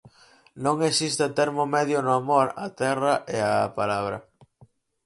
Non existe termo medio no amor á terra e á palabra.